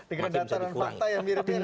dengan data dan fakta yang mirip dengan